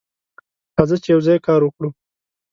راځه چې یوځای کار وکړو.